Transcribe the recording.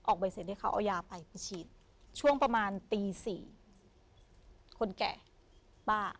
ใบเสร็จให้เขาเอายาไปไปฉีดช่วงประมาณตีสี่คนแก่ป้า